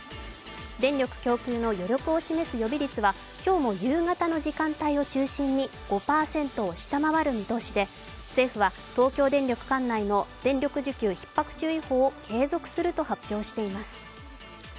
電力供給の余力を示す予備率は今日も夕方の時間帯を中心に５％を下回る見通しで、政府は東京電力管内の電力需給ひっ迫注意報を継続すると発表しています。